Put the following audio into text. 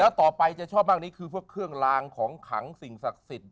แล้วต่อไปจะชอบมากนี้คือพวกเครื่องลางของขังสิ่งศักดิ์สิทธิ